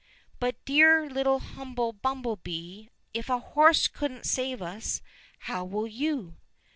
—" But, dear little humble bumble bee, if a horse couldn't save us, how will you